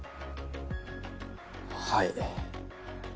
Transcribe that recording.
はい。